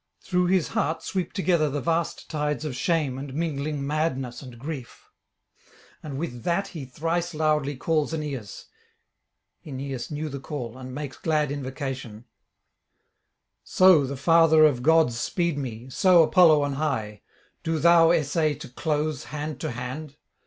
Through his heart sweep together the vast tides of shame and mingling madness and grief. And with that he thrice loudly calls Aeneas. Aeneas knew the call, and makes glad invocation: 'So the father of gods speed me, so Apollo on high: do thou essay to close hand to hand.